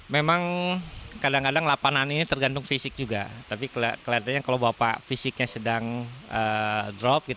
memang kadang kadang lapangan ini tergantung fisik juga tapi kelihatannya kalau bapak fisiknya sedang drop